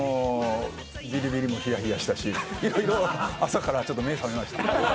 ビリビリもひやひやしたしいろいろ朝から目が覚めました。